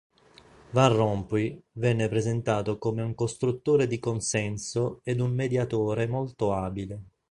Van Rompuy venne presentato come un "costruttore di consenso" ed un mediatore molto abile.